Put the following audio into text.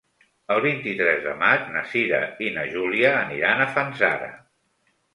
El vint-i-tres de maig na Cira i na Júlia aniran a Fanzara.